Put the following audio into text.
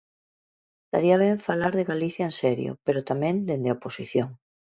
Estaría ben falar de Galicia en serio, pero tamén dende a oposición.